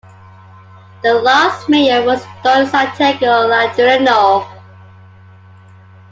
The last mayor was Don Santiago Ladrillono.